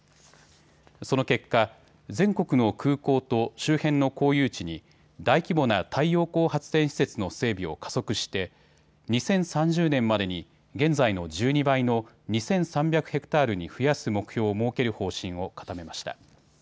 その結果、全国の空港と周辺の公有地に大規模な太陽光発電施設の整備を加速して２０３０年までに現在の１２倍の２３００ｈａに増やす目標を設ける方針を固めました。